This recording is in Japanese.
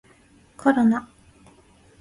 コロナ